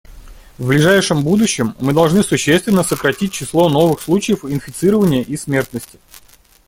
В ближайшем будущем мы должны существенно сократить число новых случаев инфицирования и смертности.